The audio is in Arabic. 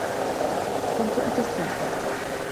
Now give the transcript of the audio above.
كنت أتسائل